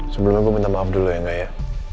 sebelumnya gue minta maaf dulu ya nga ya